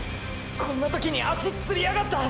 こんな時に脚攣りやがった！！